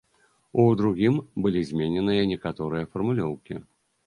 У другім былі змененыя некаторыя фармулёўкі.